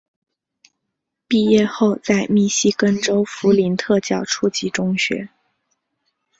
毕业后在密西根州弗林特教初级中学。